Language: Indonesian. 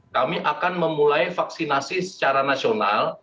kami akan memulai vaksinasi secara nasional